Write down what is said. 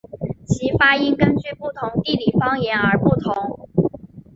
其发音根据不同地理方言而不同。